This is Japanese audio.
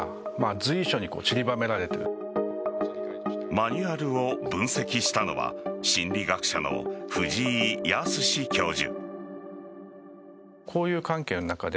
マニュアルを分析したのは心理学者の藤井靖教授。